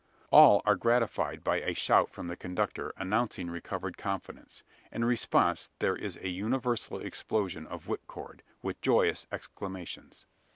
All are gratified by a shout from the conductor, announcing recovered confidence. In response there is a universal explosion of whipcord, with joyous exclamations.